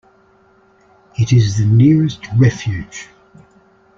It is the nearest refuge.